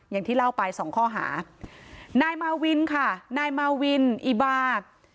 อย่างที่เล่าไปสองข้อหานายมาวินค่ะนายมาวินอีบา